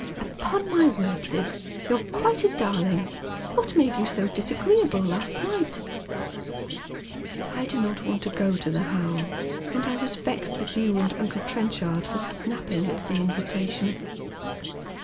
" Upon my word, Sib, you're quite a darling. What made you •0 disagieeable last night ?"" I don't want to go to the How, and I was vexed with you and uncle Trenchard for snapping at the invitation."